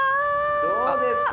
どうですか？